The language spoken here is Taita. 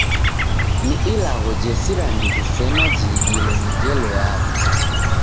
Ni ilagho jesira ndighi sena jiidilo ni ngelo yaro.